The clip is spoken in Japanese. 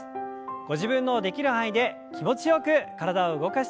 ご自分のできる範囲で気持ちよく体を動かしていきましょう。